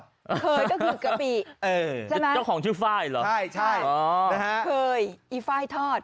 เคยก็คือกะปิใช่มั้ยเจ้าของชื่อฟ่ายเหรอใช่นะฮะเคยอีฟ่ายทอด